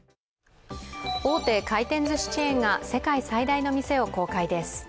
大手回転ずしチェーンが世界最大の店を公開です。